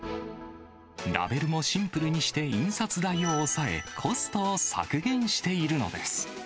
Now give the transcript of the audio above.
ラベルもシンプルにして印刷代を抑え、コストを削減しているのです。